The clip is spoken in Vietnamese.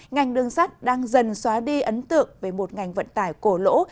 ngành đường sắt đang dần xóa đi ấn tượng về một ngành vận tải cổ lỗ